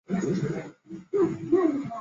该片演员基本上都是拉美裔美国人明星。